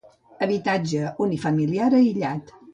Habitatge unifamiliar aïllat.